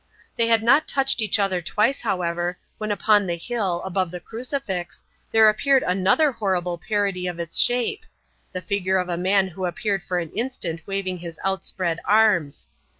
They had not touched each other twice, however, when upon the hill, above the crucifix, there appeared another horrible parody of its shape; the figure of a man who appeared for an instant waving his outspread arms.